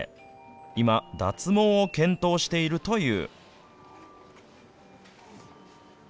今、脱毛を検討しているという。